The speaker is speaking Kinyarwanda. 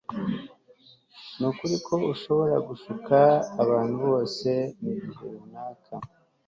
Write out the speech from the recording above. Nukuri ko ushobora gushuka abantu bose mugihe runaka